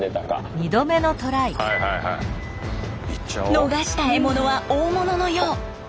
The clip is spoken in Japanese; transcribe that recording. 逃した獲物は大物のよう。